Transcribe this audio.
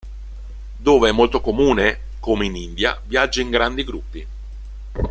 Dove è molto comune, come in India, viaggia in grandi gruppi.